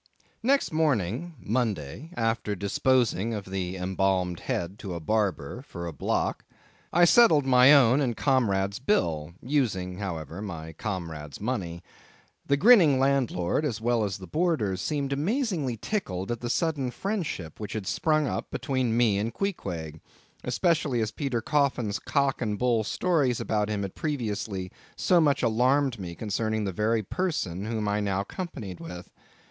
Next morning, Monday, after disposing of the embalmed head to a barber, for a block, I settled my own and comrade's bill; using, however, my comrade's money. The grinning landlord, as well as the boarders, seemed amazingly tickled at the sudden friendship which had sprung up between me and Queequeg—especially as Peter Coffin's cock and bull stories about him had previously so much alarmed me concerning the very person whom I now companied with.